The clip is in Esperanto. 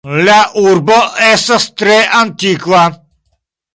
La urbo estas tre antikva.